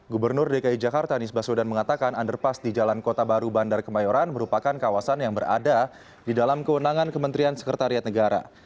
gubernur dki jakarta anies baswedan mengatakan underpass di jalan kota baru bandar kemayoran merupakan kawasan yang berada di dalam kewenangan kementerian sekretariat negara